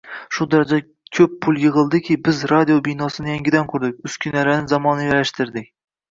Shu darajada ko‘p pul yig‘ildiki, biz radio binosini yangidan qurdik, uskunalarni zamonaviylashtirdik.